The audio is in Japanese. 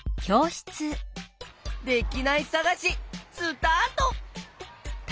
できないさがしスタート！